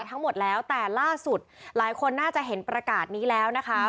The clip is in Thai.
ทั้งหมดแล้วแต่ล่าสุดหลายคนน่าจะเห็นประกาศนี้แล้วนะคะ